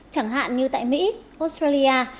chẳng hạn như tại mỹ australia